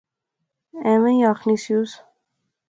ایویں آخنی سیوس